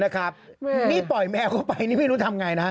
ครับผมแม่นี่ปล่อยแมวเข้าไปหนิไม่รู้ทำไงนะ